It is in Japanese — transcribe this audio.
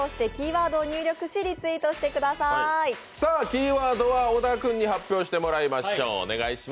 キーワードは小田君に発表してもらいましょう。